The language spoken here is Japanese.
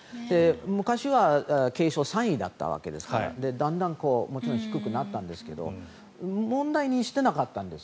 昔は継承３位だったんですがだんだん、もちろん低くなったんですが問題にしてなかったんです。